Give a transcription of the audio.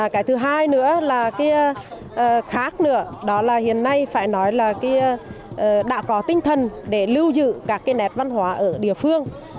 cái thứ hai nữa là khác nữa đó là hiện nay phải nói là đã có tinh thần để lưu giữ các cái nét văn hóa ở địa phương